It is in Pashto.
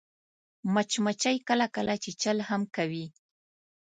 مچمچۍ کله کله چیچل هم کوي